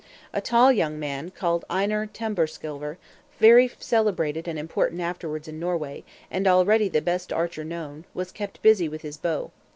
A tall young man, called Einar Tamberskelver, very celebrated and important afterwards in Norway, and already the best archer known, kept busy with his bow.